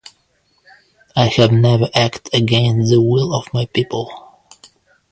I have never acted against the will of my people.